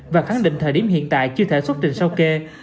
và khẳng định thời điểm hiện tại chưa thể xuất trình sau kê